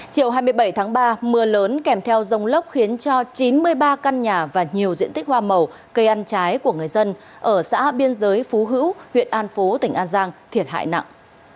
chiều hai mươi bảy tháng ba mưa lớn kèm theo dông lốc khiến cho chín mươi ba căn nhà và nhiều diện tích hoa màu cây ăn trái của người dân ở xã biên giới phú hữu huyện an phố tỉnh an giang thiệt hại nặng